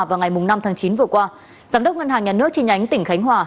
vào ngày năm tháng chín vừa qua giám đốc ngân hàng nhà nước chi nhánh tỉnh khánh hòa